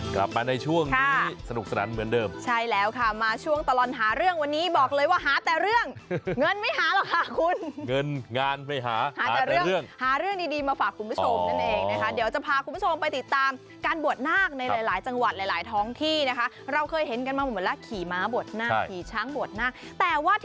กลับไปในช่วงนี้สนุกสนันเหมือนเดิมใช่แล้วค่ะมาช่วงตลอดหาเรื่องวันนี้บอกเลยว่าหาแต่เรื่องเงินไม่หาหรอกค่ะคุณเงินงานไม่หาหาแต่เรื่องหาเรื่องดีมาฝากคุณผู้ชมนั่นเองนะคะเดี๋ยวจะพาคุณผู้ชมไปติดตามการบวชหน้าคุณผู้ชมนั่นเองนะคะเดี๋ยวจะพาคุณผู้ชมไปติดตามการบวชหน้าคุณผู้ชมนั่นเองนะคะเดี